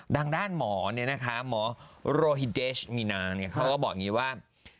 ดังด้านหมอเนี่ยนะคะหมอโรหิเดชมีนาเขาก็บอกงี้ว่า